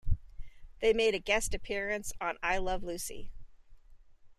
They made a guest appearance on I Love Lucy.